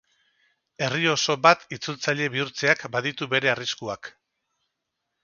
Herri oso bat itzultzaile bihurtzeak baditu bere arriskuak.